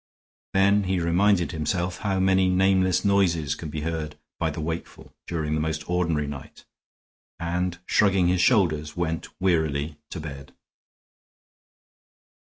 Then he reminded himself how many nameless noises can be heard by the wakeful during the most ordinary night, and shrugging his shoulders, went wearily to bed.